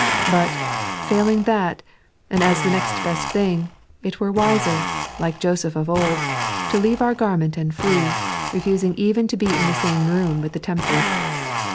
But, filing that, and as the next best thing, it were wiser, like Joseph of old, to leave our garment and flee, refusing eveit to be in the same room with the temptress.